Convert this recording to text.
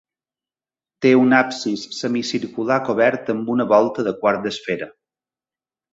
Té un absis semicircular cobert amb una volta de quart d'esfera.